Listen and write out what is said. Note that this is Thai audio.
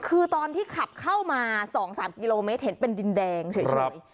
คือตอนที่ขับเข้ามา๒๓กิโลเมตรเห็นเป็นดินแดงเฉย